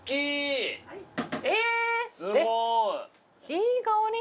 いい香り！